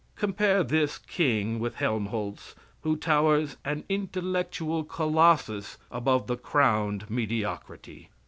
Compare this king with Helmholtz, who towers an intellectual Colossus above the crowned mediocrity.